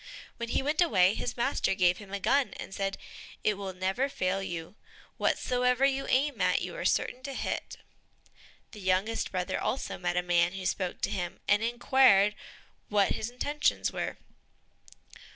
When he went away, his master gave him a gun and said, "It will never fail you; whatsoever you aim at, you are certain to hit." The youngest brother also met a man who spoke to him, and inquired what his intentions were.